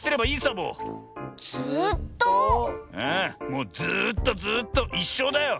もうずっとずっといっしょうだよ。